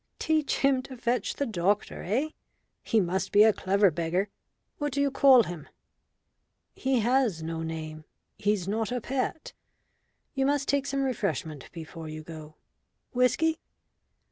"Teach him to fetch the doctor eh? He must be a clever beggar. What do you call him?" "He has no name. He's not a pet. You must take some refreshment before you go. Whisky?"